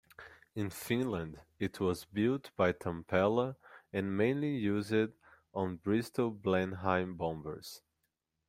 In Finland, it was built by Tampella and mainly used on Bristol Blenheim bombers.